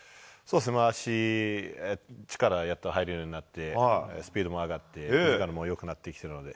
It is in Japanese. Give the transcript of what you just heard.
足、力やっと入るようになって、スピードも上がって、ひざもよくなってきたので。